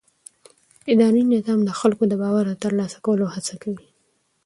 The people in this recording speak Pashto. اداري نظام د خلکو د باور د ترلاسه کولو هڅه کوي.